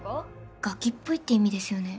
ガキっぽいって意味ですよね？